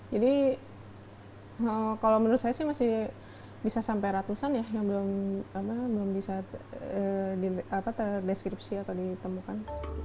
jadi kalau menurut saya sih masih bisa sampai ratusan yang belum bisa terdeskripsi atau ditemukan